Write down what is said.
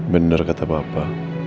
bener kata papa